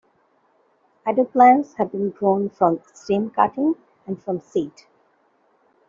Ideal plants have been grown from stem cuttings and from seed.